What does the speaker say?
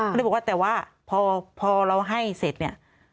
ก็เลยบอกว่าแต่ว่าพอเราให้เสร็จเนี่ย